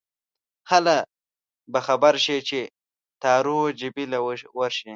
هله به خبر شې چې تارو جبې له ورشې